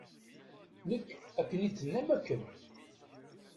Nekk, akken i d-tennam akken.